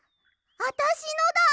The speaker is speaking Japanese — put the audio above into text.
あたしのだ！